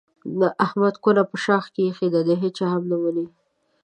احمد کونه په شاخ کې ایښې ده د هېچا هم نه مني.